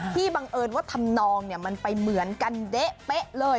บังเอิญว่าทำนองมันไปเหมือนกันเด๊ะเลย